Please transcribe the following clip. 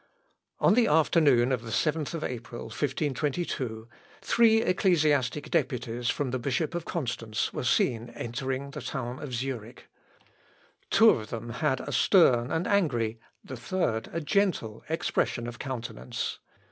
On the afternoon of the 7th April, 1522, three ecclesiastic deputies from the Bishop of Constance were seen entering the town of Zurich. Two of them had a stern and angry, the third, a gentle expression of countenance.